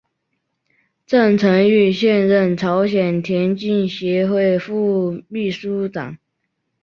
郑成玉现任朝鲜田径协会副秘书长。